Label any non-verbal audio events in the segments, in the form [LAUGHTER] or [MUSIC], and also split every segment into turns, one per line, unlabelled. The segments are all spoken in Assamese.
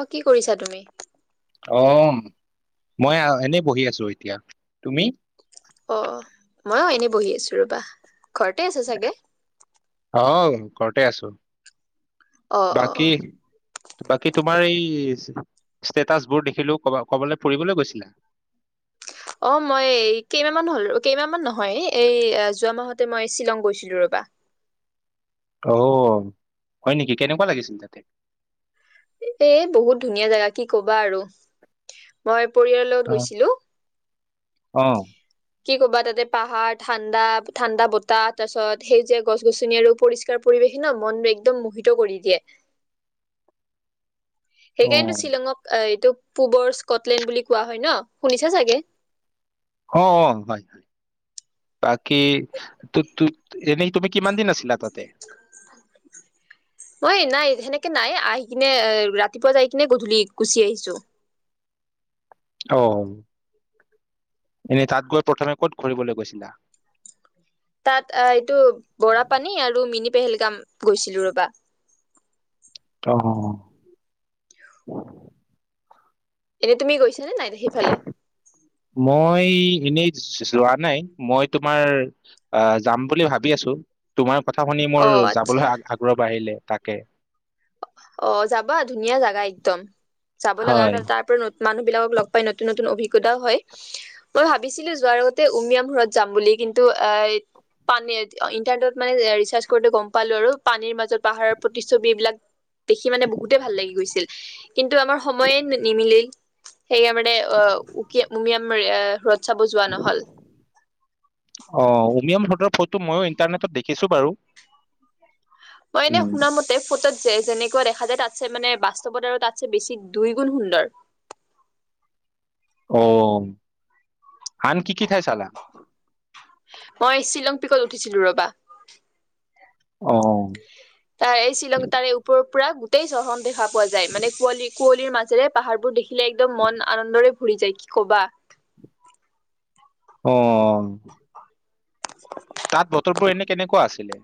অ কি কৰিছাঁ তুমি
অ মই এনেই বহি আছো এতিয়া তুমি
অ ময়ো এনেই বহি আছোঁ ৰবা ঘৰতে আছে চাগে
অহ ঘৰতে আছোঁ
অ অ
বাকী বাকী তোমাৰ এই ষ্টেটাছবোৰ দেখিলো কবা কবালে ফুৰিবলে গৈছিলা
অ মই কেইমাহমান হ'ল কেইমাহ মান নহয় এই যোৱা মাহতে মই শ্বিলং গৈছিলো ৰবা
আহ হয় নেকি কেনেকুৱা লাগিছিল তাতে
এ বহুত ধুনীয়া জেগা কি ক'বা আৰু মই পৰিয়ালৰ লগত
অহ
গৈছিলো
অহ
কি কবা তাতে পাহাৰ ঠাণ্ডা ঠাণ্ডা বতাহ তাৰ পাছত সেই যে গছ গছনি আৰু পৰিষ্কাৰ পৰিৱেশ ন মন একদম মোহিত কৰি দিয়ে
অহ
সেইকাৰণেটো শ্বিলঙক আহ এইটো পূবৰ স্কটলেণ্ড বুলি কোৱা হয় ন শুনিছা চাগে
অ অ হয় হয় বাকী তোক তোক এনেই তুমি কিমান দিন আছিলা তাতে
মই নাই সেনেকে নাই আহি কিনে এ, ৰাতিপুৱা যাই কিনে গধূলি গুচি আহিছো।
অ এনেই তাত গৈ প্ৰথমে ক'ত ঘূৰিবলৈ গৈছিলা?
তাত এইটো বৰা পানী আৰু মিনি। পেহেলগাম গৈছিলো ৰবা।
অ!
এনে তুমি গৈছ? নে নাই দে সিফালে।
হেই এনেই [UNINTELLIGIBLE] যোৱা নাই মইতো। তোমাৰ অ যাম বুলি ভাবি আছো, তোমাৰ। কথা শুনি মোৰ
অ আচ্ছা
যাবলে আগ্ৰহ বাঢ়িলে। তাকে।
অ যাবা ধুনীয়া জাগা একদম। [UNINTELLIGIBLE] ল লগা
হয়
তাৰপৰ ন [UNINTELLIGIBLE] মানুহ বিলাকক লগ পাই নতুন নতুন অভিজ্ঞতাও হয়। মই ভাবিছিলো যোৱাৰ আগতে উমিয়াম ঘৰত যাম বুলি, কিন্তু এ পানী ইন্টাৰনেটত মানে ৰিচাৰ্চ কৰোতে গম পালো আৰু, পানীৰ মাজত পাহাৰৰ প্ৰতি্ছবি এইবিলাক দেখি মানে বহুতে ভাল লাগি গৈছিল কিন্তু আমাৰ সময়ে নিমিলিল। সেয়ে মানে অ উকীয়াম উমিয়াম। [UNINTELLIGIBLE] নহল।
অ উমিয়াম। ফটো ময়ো ইণ্টাৰনেটত দেখিছোঁ বাৰু।
অঁ এনেই
উম
শুনা মতে ফতত যেনেকুৱা দেখা যায়, তাতছে মানে, বাস্তৱত আৰু তাতছে বেছি দুই গুণ সুন্দৰ।
অ আন কি কি ঠাই চালা?
মই শ্বিলং পিকত উঠিছিলোঁ ৰবা।
অহ।
তাৰ এই শ্বিলং তাৰে উপওৰ। পুৰা গোটেই চহ। দেখা পোৱা যায়, মানে পোৱালি। কুঁৱলীৰ মাজেৰে পাহাৰবোৰ দেখিলে একদম মন আনন্দৰে ভৰি যায়, কি কবা!
অ অ। অ [INAUDIBLE]
[INAUDIBLE]
তাত বতৰবোৰ এনে কেনেকুৱা আছিল?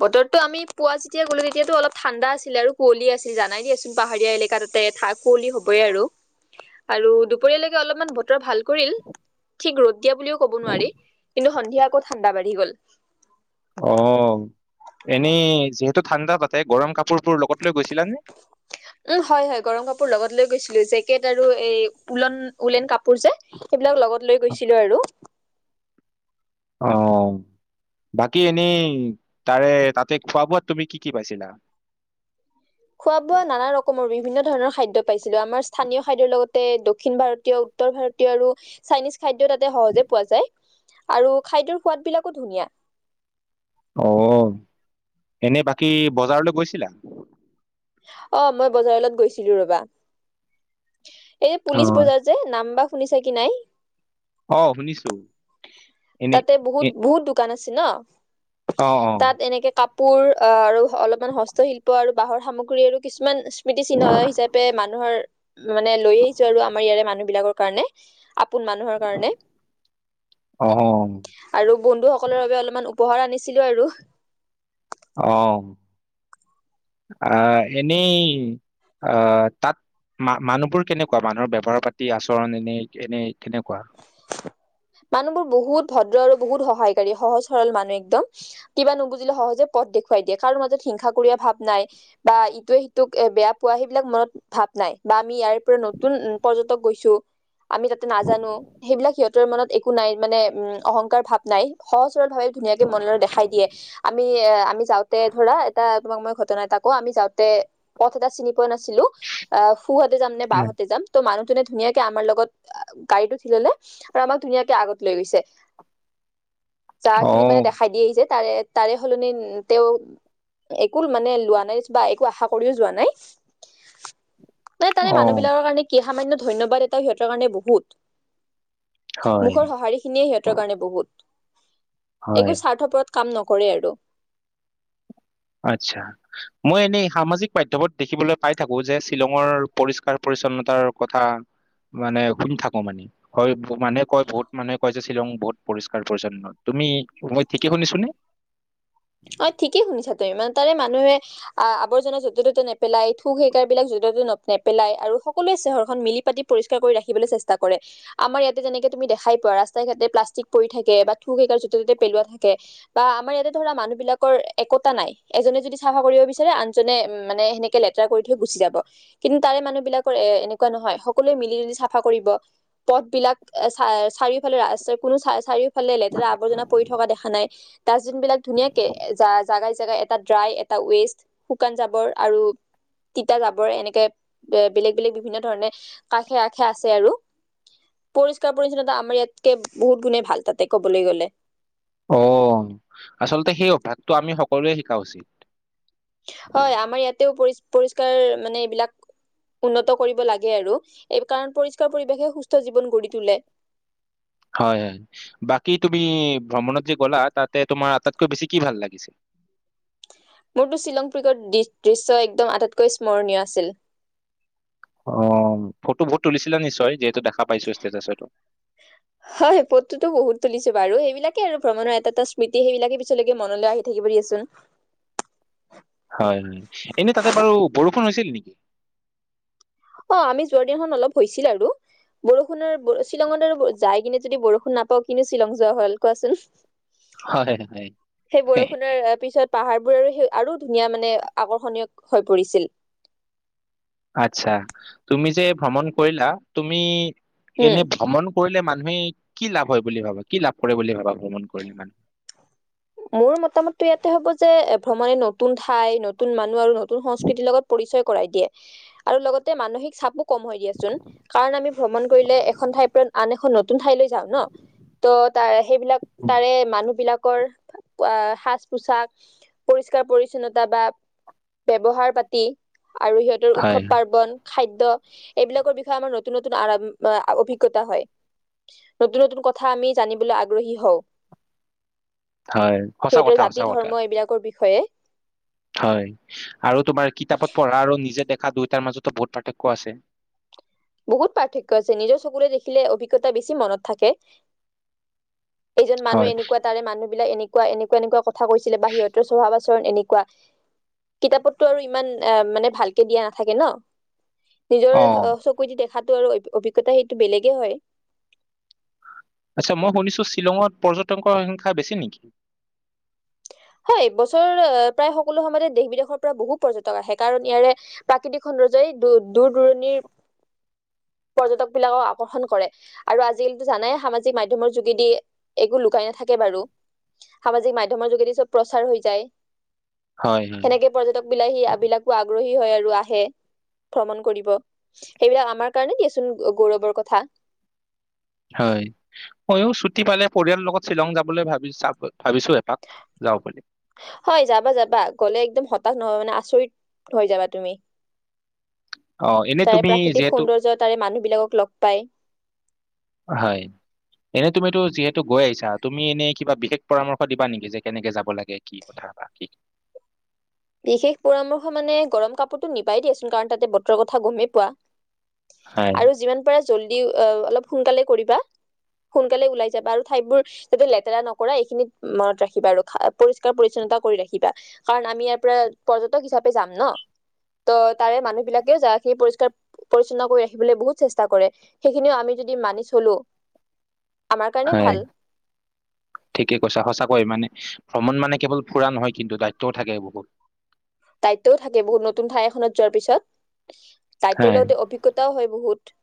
বতৰটো আমি পুৱা যেতিয়া গলো তেতিয়াতো অলপ ঠাণ্ডা আছিল আৰু, কুঁৱলী আছিল জানাই দিয়াচোন পাহাৰীয়া এলেকা তাতে ঠাই কুঁৱলী হ বৈ আৰু। দুপৰীয়ালৈকে অলপমান বতৰ ভাল। কৰিল ঠিক ৰদ এতিয়া বুলিও ক'ব নোৱাৰি কিন্তু সন্ধিয়া আকৌ ঠাণ্ডা বাঢ়ি গ'ল
অঁ এনি যিহেতু ঠাণ্ডাৰ তাতে গৰম কাপোৰ
উম হয় হয় গৰম কাপোৰ লগত লৈ গৈছো জেকেট আৰু এই উওলন উলেন কাপোৰ যে সেইবিলাক লগত লৈ গৈছিলো আৰু
অঁ বাকী এনেই তাৰে তাতে খোৱা বোৱাত তুমি কি কি পাইছিলা
খোৱা বোৱা নানা ৰকমৰ বিভিন্ন ধৰণৰ খাদ্য পাইছে আছিলো আমাৰ স্থানীয় খাদ্য ৰ লগত তাতে দক্ষিণ ভাৰতীয় উত্তৰ ভাৰতীয় আৰু চাইনিজ খাদ্য তাতে সহজে পোৱা যায় আৰু খাদ্যৰ সোৱাদ বিলাকো ধুনীয়া
আঁহ এনে বাকী বজাৰলৈ গৈছিলা
অঁ মই বজাৰ লগত গৈছিলো ৰবা এই পুলিচ
হয়
বজাৰ যে নাম্বাস শুনিছা কি নাই
অঁ শুনিছো এনে
তাতে বহুত
এ
বহুত দোকান ন
অ অ
তাত এনেকৈ কাপোৰ পুৰ আঁহ আৰু অলপমান হস্তশিল্প আৰু বাঁহৰ সামগ্ৰী আৰু কিছুমান স্মৃতি চিহ্ন হিচাপে মানুহৰ মানে লৈ আহিছো আৰু আমাৰ ইয়াৰে মানুহ বিলাকৰ কাৰণে আপোন মানুহৰ কাৰণে
অ
আৰু বন্ধুসকলৰ বাবে অলপমান পোহৰ আনিছিলো আৰু
অঁ আঁহ এনেই আঁহ তাত ম মানুহবোৰ কেনেকুৱা মানুহৰ ব্যৱহাৰ পাতি আচৰণ এনে এনে কেনেকুৱা
মানুহবোৰ বহুত ভদ্ৰ আৰু বহুত সহায়কাৰী সহজ সৰল মানুহ একদম কিবা নুবুজিলে সহজে পথ দেখুৱাই দিয়ে কাৰো মাজত হিংসা কুৰিয়া ভাৱ নাই বা ইটোৱে সিটোক বেয়া পোৱা সেইবিলাক মনত ভাৱ নাই বা আমি ইয়াৰ পৰা নতুন পৰ্যটক গৈছো আমি তাতে নাজানো সেইবিলাক সিহঁতৰ মনত একো নাই, মানে উ অহংকাৰ ভাৱ নাই সহজ। ভাৱে ধুনীয়াকে মনৰে দেখাই দিয়ে। আমি আমি যাওঁতে ধৰা এটা তোমাক মই আমি যাওঁতে পথ এটা চিনি পোৱা নাছিলো আঁহ সুহাঁতে যাম নে
উম,
বাওঁহাতে যাম ত মানুহ ধুনীয়াকে আমাৰত গাড়ীটো লে আৰু আমাক ধুনীয়াকে আগত লৈ গৈছে চাহ
অ
খিনি মানে দেখাই দিয়ে আহি যে তাৰে তাৰে সলনি তেওঁ একো মানে লোৱা নাই বা একো আশা কৰিও যোৱা নাই মান তাৰে
অ
মানুহ বিলাকৰ কাৰণে কি সামান্য ধন্যবাদ এটা সিহঁতৰ কাৰণে বহুত
হয়
মুখৰ সঁহাৰিখিনিয়েই সিহঁতৰ কাৰণে বহুত
হয়
এইবোৰ স্বাৰ্থপৰত কাম নকৰে আৰু
আচছা মই এনেই সামাজিক মাধ্্যমত দেখিবলৈ পাই থাকো যে শ্বিলঙৰ পৰিষ্কাৰ পৰিচ্ছন্নতাৰ কথা মানে শুনি থাকো মানে হয় মানুহে কয় বহুত মানুহে কয় যে শ্বিলং বহুত পৰিষ্কাৰ পৰি্ছন্ন তুমি ঠিকে শুনিছো নে
অ ঠিকেই শুনিছা তু ইমান তাৰে মানুহে আহ আৱৰ্জনা য'তে ত'তে নেপেলাই থোক সেকাৰ বিলাক য'তে ত'তে ন নেপেলাই আৰু সকলোৱে চহৰখন মিলি পাতি পৰিষ্কাৰ কৰি ৰাখিবলৈ চেষ্টা কৰে আমাৰ ইয়াতে যেনেকে তুমি দেখাই পোৱা ৰাস্তাই ঘাটে প্লাষ্টিক পৰি থাকে বা থোক হেকাৰ য' ত'তে পেলোৱা থাকে ে বা আমাৰ ইয়াতে ধৰা মানুহ বিলাকৰ একতা নাই এজনে যদি চাফা কৰিব বিচাৰে আনজনে মানে সেনেকে লেতেৰা কৰি থৈ গুচি যাব কিন্তু তাৰে মানুহ বিলাকৰ এ এনেকুৱা নহয় সকলোৱে মিলি জুলি চাফা কৰিব পথ বিলাক চ চাৰিওফালে ৰাস্ত কোনো চ চাৰিওফালে ফালে লে আৱৰ্জনা পৰি থকা দেখা ডাষ্টবিন বিলাক ধুনীয়াকে জাগাই জাগাই এটা ড্ৰাই এটা ৱেষ্ট শুকান জাবৰ আৰু তিতা জাবৰ এনেকে বেলেগ বেলেগ বিভিন্ন ধৰণে কাষে আষে আছে আৰু পৰিসকাৰ পৰিছন্নতা আমাৰ ইয়াতকে বহুত গুণে ভাল তাতে কবলৈ গলে
অ আচলতে সেই অভ্যাসটো আমি সকলোৱে শিকা উচিত
হয় আমাৰ ইয়াতেও পৰি পৰিষ্কাৰ মানে এইবিলাক উন্নত কৰিব লাগে আৰু এই কাৰণ পৰিষ্কাৰ পৰিৱেশে সুস্থ জীৱন গঢ়ি তোলে
হয় হয় বাকী তুমি ভ্ৰমণত যে গ'লা তাতে তোমাৰ আটাইতকৈ বেছি কি ভাল লাগিছে
মোৰতো শ্বিলং পিকৰ দৃশ্য একদম আটাইতকৈ স্মৰণীয় আছিল
অ ফটো বহুত তুলিছিলে নিশ্চয় যিহেতু দেখা পাইছো ষ্টেতাছতো
হয় পদটোতো বহুত তুলিছো বাৰু সেইবিলাকে আৰু ভ্ৰমণৰ এটা এটা স্মৃতি সেইবিলাকে পিছলৈকে মনলৈ আহি থাকিব দিয়াচোন
ফোন [UNINTELLIGIBLE] হৈছিল নেকি
অ আমি যোৱাৰ দিনাখন অলপ হৈছিল আৰু বৰষুণৰ শ্বিলঙত আৰু যাই কিনে যদি বৰষুণ নাপাওঁ কিন্তু শ্বিলং যোৱা হল কোৱাচোন
হয়, হয়।
সেই বৰষুণৰ পিছত পাহাৰবোৰ আৰু সেই আৰু ধুনীয়া মানে আকৰ্ষণীয় হৈ পৰিছিল
আচ্ছা তুমি যে ভ্ৰমণ কৰিলা তুমি
উম
এনে ভ্ৰমণ কৰিলে মানুহে কি লাভ হয় বুলি ভাবা কি লাভ কৰে বুলি ভাবা ভ্ৰমণ কৰিলে মানুহে
মোৰ মতামতটো ইয়াতে হ'ব যে ভ্ৰমণে নতুন ঠাই নতুন মানুহ আৰু নতন সংস্কৃতি লগত পৰিয় কৰাই দিয়ে আৰু লগতে মানসিক চাপক কাৰ আ [UNINTELLIGIBLE] ভ্ৰমণ কৰিলে এখন ঠাই পৰা আন এখন ঠাই লৈ যাও ন ত' তাৰে সেইবিলাক তাৰে মানুহ বিলাক কৰ সাজ পোছাক পৰিষ্কাৰ পৰিচ্ছন্নতা বা ব্যৱহাৰ পাতি আৰু সিহঁতৰ
হয়,
উৎসৱ পাৰ্বন খাদ্য এইবিলাকৰ বিষয়ে আমাৰ নতুন নতুন অভিজ্ঞতা হয় নতুন নতুন কথা আমি জানিবলৈ আগ্ৰহী হওঁ
হয়। সঁচা
সিহতৰ [UNINTELLIGIBLE]
কথা,
জাতি
সঁচা কথা।
ধৰ্ম এইবিলাকৰ বিষয় বিষয়ে
হয় আৰু তোমাৰ কিতাপত পঢ়া আৰু নিজে দেখ শা দুয়োটাৰ মাজতো ভোট পাৰ্থক্য আছে
বহুত পাৰ্থক্য আছে নিজৰ চকুৰে দেখিলে অভিজ্ঞতা বেছি মনত থাকে এজন মানুহ
হয়
এনেকুৱা তাৰে মানুহ বিলাক এনেক এনেকুৱা এনেকুৱা কথা কৈছিলে বা সিহঁতৰ স্বভাৱ আচৰণ এনেকুৱা কিতাপতো আৰু ইমান এ মানে ভালকে দিয়া নাথাকে ন নিজৰ
অ
চ দেখাতটো আৰু অ অভিজ্ঞতা সেইটো বেলেগে হয়
আচ্ছা মই শুনিছো শ্বিলঙত পৰ্যটকৰ সংখ্যা বেছি নেকি
হয় বছৰ প্ৰায় সকলো সময়তে দেশ বিদেশৰ পৰা বহু পৰ্যটক আহে কাৰণ ইয়াৰে প্ৰাকৃতিক সৌন্দৰ্যয়ই দ দূৰ দূৰণিৰ পৰ্যটক বিলাকক আকৰ্ষণ কৰে আৰু আজিকালিতো জানাই সামাজিক মাধ্যমৰ যোগেদি একো লুকাই নাথাকে বাৰু সামাজিক মাধ্যমৰ যোগেদি চব প্ৰচাৰ হৈ যায়
হয় হয়
সেনেকে পৰ্যটক বিলাকি বিলাকো আগ্ৰহী হয় আৰু আহে ভ্ৰমণ কৰিব সেইবিলাক আমাৰ কাৰণে কিয়চোন গৌৰৱৰ কথা
হয় ময়ো ছুটি পালে পৰিয়ালৰ লগত শ্বিলং যাবলৈ ভাবি চাব ভাবিছো এপাক যাওঁ বুলি।
হয় যাবা যাবা গ'লে একদম হতাশ নহয় মানে আচৰিত হৈ যাবা তুমি
অ এনে
তাৰে
তুমি
প্ৰাকৃতিক
যিহেতু
সৌন্দৰ্য তাৰে মানুহবিলাকক লগ পায়
হয় এনে তুমিতো যিহেতু গৈ আহিছা তুমি এনেই কিবা বিশেষ পৰামৰ্শ দিবা নেকি যে কেনেকে যাব লাগে কি কথা বা কি
বিশেষ পৰামৰ্শ মানে গৰম কাপোৰটো নিবাই দিয়েচোন কাৰণ তাতে বতৰৰ কথা গমেই পোৱা
হয়
আৰু যিমান পাৰে জল্দি অ অলপ সোনকালে কৰিবা সোনকালে ওলাই যাবা আৰু ঠাইবোৰ যাতে লেতেৰা নকৰা এইখিনিত মনত ৰাখিবা আৰু পৰিষ্কাৰ পৰি্ছন্নতা কৰি ৰাখিবা কাৰণ আমি ই পৰ্যটক হিচাপে যাম ন ত তাৰে মানুহ বিলাকেও য সেই পৰিষ্কাৰ পৰিচ্ছন্ন কৰি ৰাখিবলৈ বহুত চেষ্টা কৰে সেইখিনিও আমি যদি মানি চলো আমাৰ কাৰণে
হয়
ভাল
ঠিকেই কৈছা সঁচাক কয় মানে ভ্ৰমণ মানে কেৱল ফুৰা নহয় কিন্তু দায়িত্বও থাকে বহুত
দায়িত্বও থাকে বহুত নতুন ঠাই এখনত যোৱাৰ পিছত তাইিত্বৰ
হয়।
লগতে অভিজ্ঞতাও হয় বহুত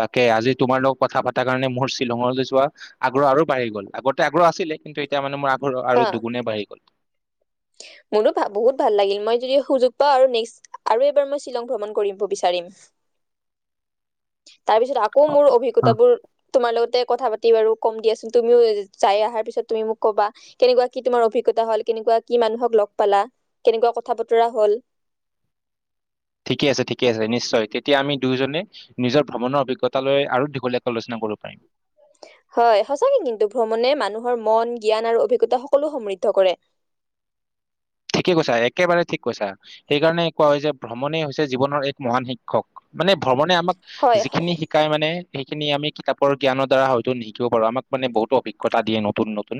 তাকে আজি তোমাৰ লগত কথা পতাৰ কাৰণে মোৰ শ্বিলঙলৈ যোৱা আগ্ৰহ আৰু বাঢ়ি গ'ল আগতে আগ্ৰহ আছিলে কিন্তু এতিয়া মানে মোৰ ঘ
হা
আৰু দুগুণে বাঢ়ি গ'ল
মোৰো বহুত ভাল লাগিল মই যদি সুযোগ পাও আৰু নক্ আৰু এবাৰ মই শ্বিলং ভ্ৰমণ কৰিব বিচাৰিম তাৰ পিছত আকৌ মোৰ অভিজ্ঞতাবোৰ তোমাৰ লগতে কথা পাতি বাৰু কম দিয়াচোন তুমিও যাই আহাৰ পিছত তুমি মোক ক'বা কেনেকা কি তুমাৰ অভিজ্ঞতা হল কেনেকুৱা কি মানুহক লগ পালা কেনেকুৱা কথা বতৰা হল
ঠিকে আছে ঠিকে আছে নিশ্চয় তেতিয়া আমি দুয়োজনে নিজৰ ভ্ৰমণৰ অভিজ্ঞতালৈ আৰু দীঘলীয়াকৈ আলোচনা কৰিব পাৰিম
হয় সচাকে কিন্তু ভ্ৰমণে মানুহৰ মন জ্ঞান আৰু অভিজ্ঞতা সকলো সমৃদ্ধ কৰে
ঠিকে কৈছা একেবাৰে ঠিক কৈছা সেইকাৰণে কোৱা হৈছে ভ্ৰমণেই হৈছে জীৱনৰ এক মহান শিক্ষক মানে ভ্ৰমণে আমাক
হয়
যিখিনি শিকাই মানে সেইখিনি আমি কিতাপৰ জ্ঞানৰ দ্বাৰা হয়তো নিশিকিব পাৰো আমাক মানে বহুত অভিজ্ঞা দিয়ে নতুন নতুন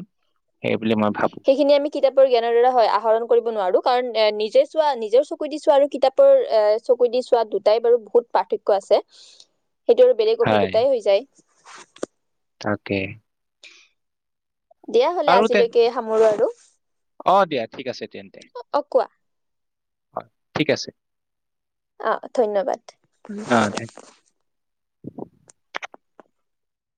সেই বুলি মই ভাবো
সেইখিনি আমি কিতাপৰ জ্ঞানৰ দ্বাৰা হয় আহৰণ নোৱাৰো কাৰণ নিজে চোৱা নিজৰ চকু দি চোৱা আৰু কিতাপৰ এ চকু দি চোৱা দুটাই বাৰু বহুত পাৰ্থক্য আছে সেইটো আৰু বেলেগ
হয়
অভিজ্ঞতাই হৈ যায়
তাকে।
দিয়া হলে
বাৰু তে
আজিলৈকে সামৰো আৰু।
অ', দিয়া, ঠিক আছে। তেন্তে।
অঁ কোৱা।
হয় ঠিক আছে।
অঁ ধন্যবাদ।
উম। অ' ধন্যবাদ